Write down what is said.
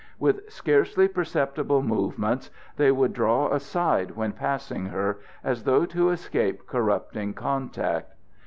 With scarcely perceptible movements they would draw aside when passing her, as though to escape corrupting contact.